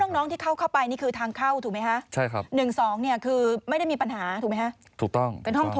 เป็นห้องโถงใช่ไหมครับ